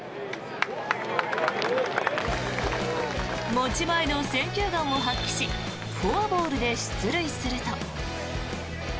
持ち前の選球眼を発揮しフォアボールで出塁すると。